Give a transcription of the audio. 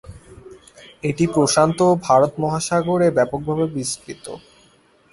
এটি প্রশান্ত ও ভারত মহাসাগরে ব্যাপকভাবে বিস্তৃত।